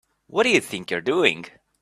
What do you think you're doing?